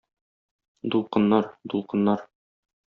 Дулкыннар, дулкыннар!